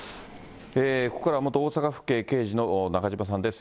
ここからは元大阪府警刑事の中島さんです。